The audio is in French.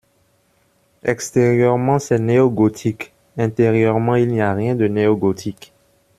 Extérieurement c'est néo-gothique ; intérieurement il n'y a rien de néo-gothique.